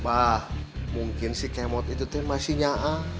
bah mungkin si kemot itu masih nyaa